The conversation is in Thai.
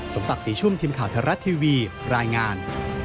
สมศักดิ์สีชุ่มทีมข่าวทะลัดทีวีรายงาน